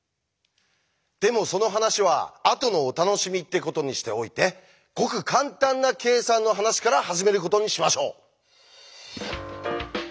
でもその話はあとのお楽しみってことにしておいてごく簡単な計算の話から始めることにしましょう。